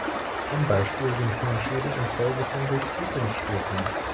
Ein Beispiel sind Hirnschäden infolge von Durchblutungsstörungen.